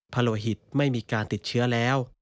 โลหิตไม่มีการติดเชื้อแล้ว